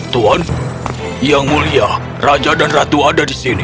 tuan yang mulia raja dan ratu ada di sini